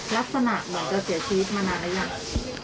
ลักษณะเหมือนจะเสียชีวิตมานานหรือยัง